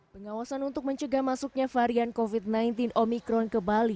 pengawasan untuk mencegah masuknya varian covid sembilan belas omikron ke bali